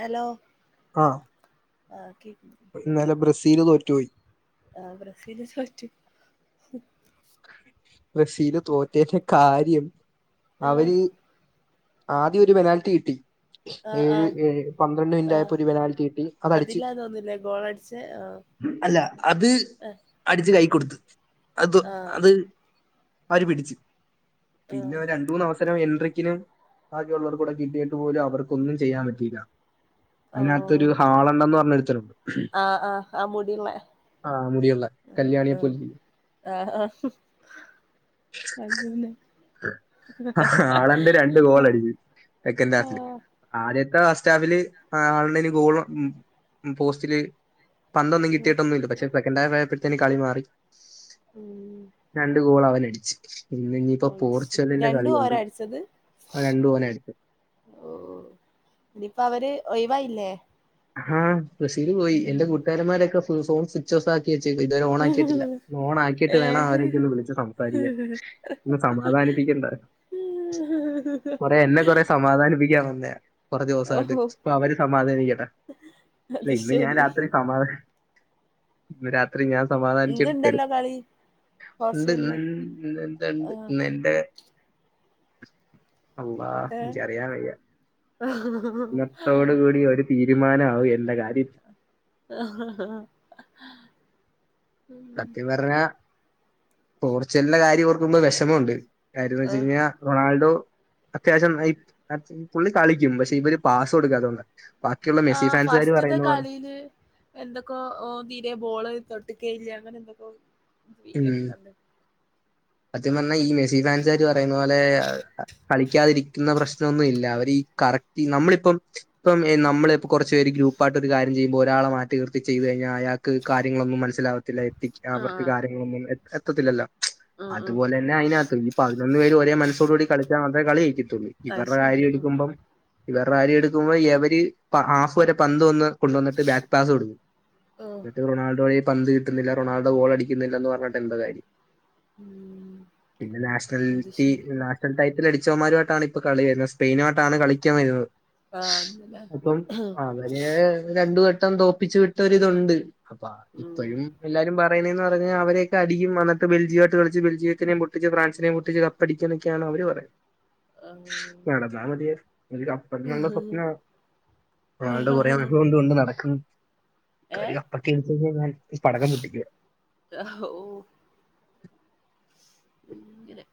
Hello ആഹ് ആഹ് കേക് ഇന്നലെ ബ്രസീല് തോറ്റുപോയി ആഹ് ബ്രസീല് തോറ്റു ബ്രസീല് തോറ്റേൻ്റെ കാര്യം ആഹ് അവര് ആദ്യം ഒരു പെനാൽറ്റി കിട്ടി ആഹ് ഏഴ് ആഹ് ഏഴ് പന്ത്രണ്ട് മിനിറ്റായപ്പം ആഹ് ഒര് പെനാൽറ്റി കിട്ടി അതടിച്ചു അതിലാ തോന്നില്ലേ ഗോളടിച്ചേ ആഹ് ഉം അല്ലാ അത് ആഹ് അടിച്ച് കൈ കൊടുത്ത് അത് ആഹ് അത് അവര് പിടിച്ച് ആഹ് പിന്നെ രണ്ടൂന്ന് അവസരം എൻട്രിക്കിനും ബാക്കിയൊള്ളവർക്കൂടെ കിട്ടീട്ട് പോലും അവർക്കൊന്നും ചെയ്യാൻ പറ്റീല്ലാ അതിനാത്തൊരു ഓഹ് ഹാളെണ്ട്ന്ന് പറഞ്ഞൊരുത്തന്ണ്ട് ആഹ് ആഹ് ആഹ് മുടി ഇള്ളെ ആഹ് മുടിയുള്ള കല്യാണിയെ പോലിരിക്കും ആഹ ആഹ് അതേല്ലെ സെക്കൻ്റ് ഹാഫില് ആദ്യത്തെ ഫസ്റ്റാഫില് ആഹ് ഹോളണ്ടിന് ഗോളും ഉം ഉം പോസ്റ്റില് പന്തൊന്നും കിട്ടിയിട്ടൊന്നൂല്ലാ പക്ഷെ സെക്കെൻ്റാഫ് ആയപ്പെഴ്ത്തേന് കളി മാറി ഉം രണ്ട് ഗോൾ അവനടിച്ച് ഇന്ന് ഇനിയിപ്പോ അത് ശരി പോർച്ചുഗലിന്റെ രണ്ടും കളിയൊണ്ട് ഓരാ അടിച്ചത് അത് രണ്ടും ഓനായിരിക്കും ഓഹ് ഇനിയിപ്പം അവര് ഒയിവായില്ലേ ആഹ് ബ്രസീല് പോയി എന്റെ കൂട്ടുകാരന്മാരൊക്കെ ഫ് ഫോൺ സ്വിച്ച് ഓഫാക്കി വെച്ചേക്കുവാ ഇതുവരെ ഓൺ ആക്കിയിട്ടില്ല ഒന്ന് ഓൺ ആക്കിയിട്ട് വേണം ഏഹ് അവരെയൊക്കെ ഒന്ന് വിളിച്ച് സംസാരിക്കാൻ ഒന്ന് സമാധാനിപ്പിക്കണ്ടെ കൊറെ എന്നെ കൊറെ സമാധാനിപ്പിക്കാൻ വന്നെയാ കൊറെ ദിവസായിട്ട് ഇപ്പൊ അവര് സമാധാനിക്കട്ടെ ഹ ഇല്ല ഇന്ന് ഞാൻ രാത്രി സമാധാന ഇന്ന് രാത്രി ഞാൻ സമാധാനിച്ചിട്ട് പെടും ഇന്ന്ണ്ടല്ലോ കളി ഇണ്ട് ഇൻ ഹോർസിന്റെ ഇൻ ഇന്നെൻ്റെ ഇണ്ട് ആഹ് ഇന്നെന്റെ അള്ളാ ഏഹ് ഇൻച്ചറിയാൻ വയ്യാ ഇന്നത്തോട് കൂടി ഒരു തീരുമാനാവും എന്റെ കാര്യം ആഹ സത്യം പറഞ്ഞാ പോർച്ചുഗല്ലിൻ്റെ കാര്യം ഓർക്കുമ്പോ വെഷമം ഒണ്ട് കാര്യെന്ന് വെച്ച് കഴിഞ്ഞാ റൊണാൾഡോ അത്യാവശ്യം ന ഈ [unintelligible] പുള്ളി കളിക്കും പക്ഷെ ഇവര് പാസ്സ് കൊടുക്കാത്തത് കൊണ്ടാ ആഹ് ഫസ്റ്റ്ത്തെ കളീല് എന്തൊക്കോ ഓൻ തീരെ ബോള് തൊട്ട്ക്കേയില്ലാ അങ്ങനെ എന്തൊക്കോ ഉം വീഡിയേ ഒക്കെ കണ്ട് സത്യം പറഞ്ഞാ ഈ മെസ്സി ഫാൻസ്കാര് പറയുന്ന പോലെ കളിക്കാതിരിക്കുന്ന പ്രശ്നവൊന്നും ഇല്ലാ അവര് ഈ കറക് ഈ നമ്മളിപ്പം ഇപ്പം ഈ നമ്മള് കൊറച്ച് പേര് ഗ്രൂപ്പായിട്ട് ഒരു കാര്യം ചെയ്യുമ്പോ ഒരാളെ മാറ്റി നിർത്തി ചെയ്തു കഴിഞ്ഞാ ആയാക് കാര്യങ്ങളൊന്നും മനസിലാവത്തില്ല എ അവർക്ക് ആഹ് കാര്യങ്ങളൊന്നും എത്തത്തില്ലല്ലോ ആഹ് അതുപോലെ പിന്നെ അയ്നകത്തു ഈ പതിനൊന്ന് പേര് ഒരേ മനസ്സോട കൂടെ കളിച്ചാ മാത്രേ കളി ജയ്ക്കത്തുള്ളൂ ആഹ് ഇവരുടെ അത് ശെരിയാ ആഹ് കാര്യൊക്കുമ്പം ഇവർടെ കാര്യം എടുക്കുമ്പോ ഇവര് ഹാഫ് വരെ പന്തൊന്ന് കൊണ്ട വന്നട്ട് ബാക്ക് പാസ് കൊടുക്ക ആഹ് പി എന്നി്ട്ട് റൊണാൾഡോയ പന്ത് കിട്ടുന്നില്ല റൊണാൾഡോ ഗോൾ അടി [unintelligible] പറഞ്ഞിട്ട് എന്താ കാര്യം ഉം പിന്നെ അത് നാഷണില്റ്റി ശെരി ടൈറ്റിൽ അടിച്ചവമാരുമായിട്ടാണ് ഇപ്പൾ കളി വരുന്നത് സ്പെയിനുമായിട്ടാണ് കളിക്കാൻ വരുന്നത് ആഹ് ഇന്നലെ അപ്പം ആഹ് അതെ അവര് രണ്ട വട്ടം തോപ്പിച്ചു വിട്ടവരിതുണ്ട് അപ്പ ഉം ഇപ്പോഴും എല്ലാരും പറയുന്ന അവരെയൊക്കെ അടിക്കും വന്നി്ട്ട് ബെൽജിയമായിട്ട് കളിച്ച് ബെൽജിയത്തിനേം പൊട്ടിച്ച് ഫ്രാൻസിനേം പൊട്ടിച്ച് കപ്പടിക്കുന്നൊക്കെയാണ് അവര് പറയുന്നത് ആഹ് നടന്നാ മതിയേ ഒര് കപ്പെന്നുള്ള സ്വപ്നവാ ആളുടെ കുറെ അനുഭവംണ്ട് കൊണ്ട് നടക്കും ഏഹ് കാര്യം അപ്പക്ക അനുസരി [unintelligible] ഞാൻ പടകം പട്ടിക്കുക ഓഹ് ഉം ഇങ്ങനെ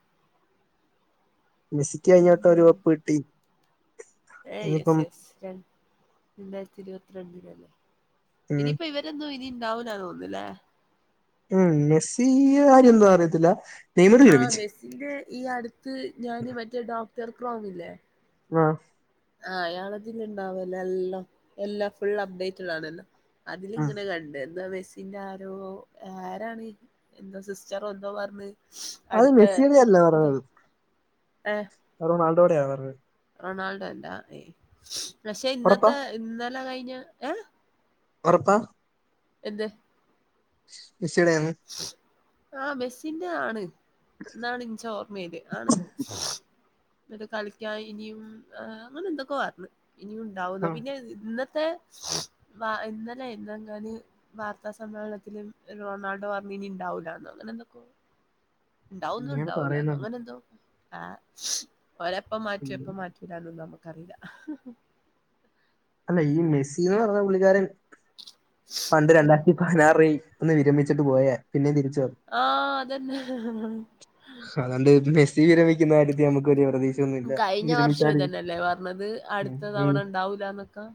മെസ്സിക്ക് കഴിഞ്ഞട്ടം ഒരു ഉം കപ്പ് കിട്ടി ഏഹ് യെസ് ഇനിയിപ്പം യെസ് ര രണ്ടായിരത്തി ഇരുപത്തിരണ്ടിനല്ലേ ഉം ഇനിയിപ്പോ ഇവ ഇതൊന്നും ഇനി ഉണ്ടാവില്ല തോന്നുന്നില്ലേ ഉം മെസ്സിയ കാര്യം എന്താ അറിയത്തില്ല നെയ്മർ ആഹ് വിരമിച്ചു. മെസ്സിൻ്റെ ഈ അടുത്ത് ഞാന് മറ്റേ ഡോക്ടർ ക്രോമില്ലേ ആഹ് ആഹ് അയാളതില് ഇണ്ടാവല്ല എല്ലാം എല്ലാം ഫുൾ അപ്ഡേറ്റഡ് ആണല്ല ഉം അതിലിങ്ങനെ കണ്ട് എന്താ മെസി പിന്നെ ആരോ ആരാണ് എന്തോ സിസ്റ്ററോ എന്തോ പറഞ്ഞത് അത് അടുത്ത മെസ്സിയുടെ ഇത് ഏഹ് റൊണാൾഡോടെയാവാറ് റൊണാൾഡോ എല്ലാ ഏയ് പക്ഷെ ഉറപ്പാ? ഇന്നത്തെ ഇന്നലെ കഴിഞ്ഞ ഏഹ് ഒറപ്പ എന്ത് മെസീടെയാന്ന് ആഹ് മെസ്സിന്റെ ആണ് എന്നാണ് ഇനിച്ച് ഓർമയില് ആണ് എന്നട്ട് കളിക്കാൻ ഇനിയും അങ്ങനെ എന്തൊക്കെ പറഞ്ഞ് ഇനിയും ഉണ്ടാവുന്ന് ആ പിന്നെ ഇന്ന തെ ഇന്നലെന്നങ്ങാന് വാർത്താ സമ്മേളനത്തിലും റൊണാൾ ഡൊ പറഞ്ഞ് ഇനി ഇണ്ടാവൂലാന്നൊ അങ്ങനെന്തക്കോ ഉണ്ടാവൂന്നൊ അങ്ങനെ ഉണ്ടാവൂലാന്നൊ പറയുന്നത് അങ്ങനെ എന്തോ ആഹ് ഓരെ അപ്പ ഉം. മാറ്റി അപ്പ മാറ്റി പിന്നാനൊന്നും നമുക്കറിയില്ല അല്ല ഈ മെസ്സിന്ന് പറഞ്ഞ പുള്ളിക്കാരൻ പണ്ട് ഉം രണ്ടായിരത്തി പതിനാറിൽ ഒന്ന് വിരമിച്ചിട്ട് പോയേ പിന്നെ തിരിച്ചുവന്ന് ആഹ് അതന്നെ അതൊണ്ട് ഇപ്പ മെസ്സി വിരമി കുന്ന കാര്യത്തില് നമുക്ക് വലിയ പ്രതീക്ഷയൊന്നുമില്ല കഴിഞ്ഞ വർഷം വിരമിച്ചാല് ഇതന്നെല്ലേ പറഞ്ഞത് അടുത്ത തവണ ഇണ്ടാവൂലാന്നൊക്കെ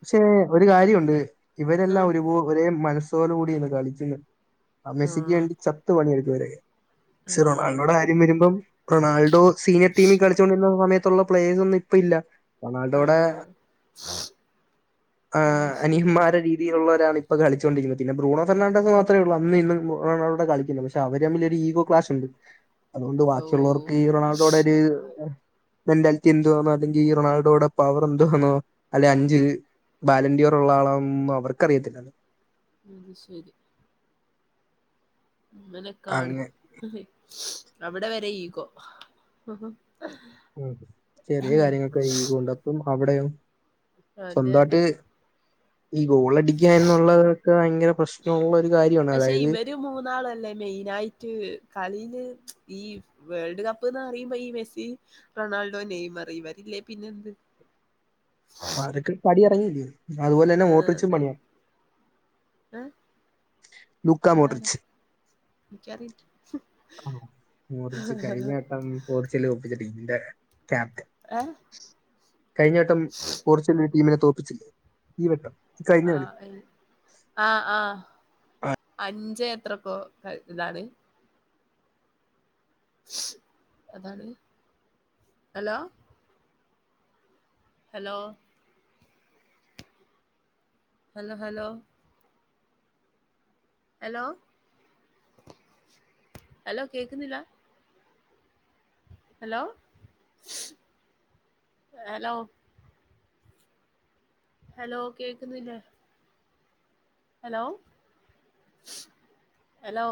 പക്ഷേ ഒരു കാര്യണ്ട് ഇവരെല്ലാം ഉം ഒരുപൊ ഒരേ മനസ്സോടുകൂടിന്ന് കളിക്കുന്ന് ആഹ് മെസ്സിക്ക് വേണ്ടി ചത്ത് പണിയെടുക്കും ഇവര് പക്ഷേ ആഹ് റൊണാൾഡോടെ വരുമ്പം റൊണാൾഡോ സീനിയർ ടീമിൽ കളിച്ചുകൊണ്ടിരുന്ന സയത്തുള്ള പ്ലെയേഴ്സ് ഒന്നും ഇപ്പൊ ഇല്ല റൊണാൾഡോടെ ആഹ് അത് ആഹ് ശരി അനിയന്മാരെ രീതിയിലുള്ളവരാണ് ഇപ്പ കളിച്ചൊണ്ടിരിക്കുന്ന പിന്നെ ബ്രൂണൊ ഫെർണാഡസ് മാത്രേ ഉള്ളു അന്ന് ഇന്നും റൊണാൾഡോടെ കളിക്കുന്ന പക്ഷെ അവര് തമ്മിൽ ഒരു ഈഗോ ക്ലാഷ് ഉണ്ട് അതുകൊണ്ട് ഓഹ് ബാക്കിയുള്ളവർക്ക് ഈ റൊണാൾഡോടെ ഒരു മെന്റാലിറ്റി എന്തുവാണോ അല്ലെങ്കിൽ ഈ റൊണാൾഡോടെ പവർ എന്തുവാന്നൊ അല്ലെ അഞ്ച് ബാലന്ണ്ടിയോറുള്ള ആളാനൊന്നും അവർക്കറിയത്തില്ല അയ് ശരിയാ അങ്ങനെകാണ് അങ്ങ് അവിടെ വരെ ഈഗൊ ഉം ചെറിയ കാര്യങ്ങൾക്ക് ഈഗോ ഉണ്ടപ്പം അവിടെയും അതെ അതെ ഈ ഗോളടിക്കുക എന്നുള്ളതൊക്കെ ഭയങ്കര പ്രശ്നമുള്ള ഒരു കാര്യമാണ് പക്ഷെ അതായത് ഇവര് മൂന്നാളല്ലേ മെയിനായിട്ട് കളിയില് ഈ വേൾഡ് കപ്പ്ന്ന് പറയുമ്പോ ഈ മെസ്സി റൊണാൾഡോ നെയ്മറ് ഇവരില്ലേ പിന്നെ എന്ത് അവരൊക്കെ പടിഇറങ്ങിയില്ലേ ആഹ് അതെ ഏഹ് ലൂക്കാ അതാരാ മോട്ടിർച്ച് എനിക്കറിയി ഓഹ് മോദിച് കഴിഞ്ഞവട്ടം പോർച്ചുഗൽ തോൽപ്പിച്ച ടീമിന്റെ ക്യാപ്റ്റൻ ഏഹ് കഴിഞ്ഞ വട്ടം പോർച്ചുഗൽ ടീമിനെ തോൽപ്പിച്ചില്ലേ ഈ വട്ടം ഈ കഴിഞ്ഞ കളി അഹ് ആഹ് ഏയ്‌ ആഹ് ആഹ് അഞ്ച് എത്രക്കോ [unintelligible] എന്താണ് hello hello hello hello hello hello കേക്കുന്നില്ല ഹലോ ഹലോ ഹലോ കേക്കുന്നില്ലേ ഹലോ ഹലോ